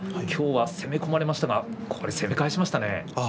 きょうは攻め込まれましたが攻め返しましたね。